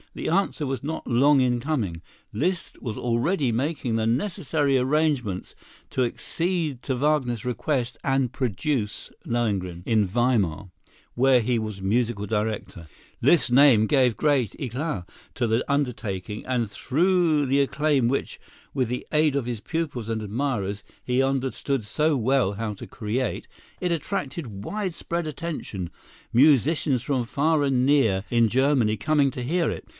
The answer was not long in coming. Liszt was already making the necessary arrangements to accede to Wagner's request and produce "Lohengrin" in Weimar, where he was musical director. Liszt's name gave great éclat to the undertaking; and through the acclaim which, with the aid of his pupils and admirers, he understood so well how to create, it attracted widespread attention, musicians from far and near in Germany coming to hear it.